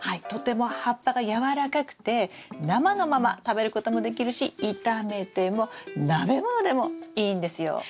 とても葉っぱが軟らかくて生のまま食べることもできるし炒めても鍋物でもいいんですよ。